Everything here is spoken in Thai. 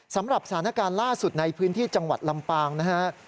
สำหรับสถานการณ์ล่าสุดในพื้นที่จังหวัดลำปางนะฮะ